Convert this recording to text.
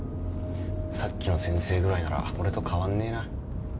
さっきの先生ぐらいなら俺と変わんねえな。